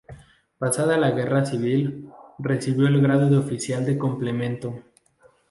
Pasada la Guerra Civil, recibió el grado de oficial de complemento.